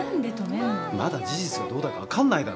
まだ事実がどうだか分かんないだろ。